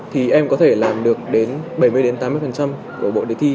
thì em có thể làm được đến bảy mươi tám mươi của bộ đề thi